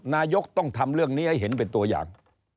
นายกต้องทำเรื่องนี้ให้เห็นเป็นตัวอย่าง